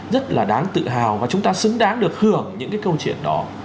rất là đáng tự hào và chúng ta xứng đáng được hưởng những cái câu chuyện đó